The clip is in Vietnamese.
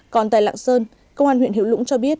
còn tại lạng sơn công an huyện hiểu lũng cho biết